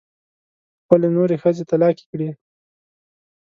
خپلې نورې ښځې طلاقې کړې.